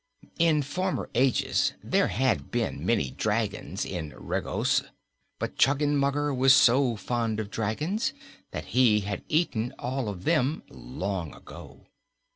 In former ages there had been many dragons in Regos, but Choggenmugger was so fond of dragons that he had eaten all of them long ago.